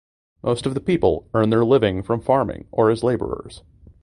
Most of the people earn their living from farming or as laborers.